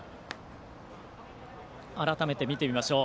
改めて、見てみましょう。